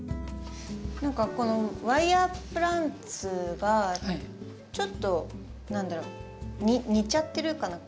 何かこのワイヤープランツがちょっと何だろう似ちゃってるかな。